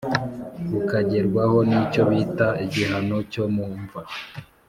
bukagerwaho n’icyo bita igihano cyo mu mva